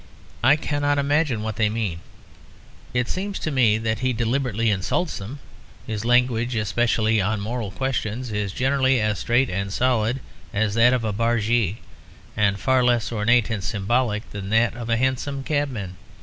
I cannot imagine what they mean; it seems to me that he deliberately insults them. His language, especially on moral questions, is generally as straight and solid as that of a bargee and far less ornate and symbolic than that of a hansom cabman.